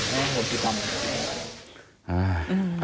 ไม่ต้องขอโหสิกรรม